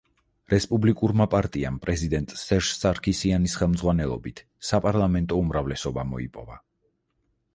რესპუბლიკურმა პარტიამ პრეზიდენტ სერჟ სარქისიანის ხელმძღვანელობით საპარლამენტო უმრავლესობა მოიპოვა.